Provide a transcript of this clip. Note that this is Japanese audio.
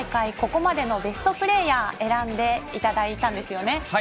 ここまでのベストプレーヤーを選んでいただいたんですよね。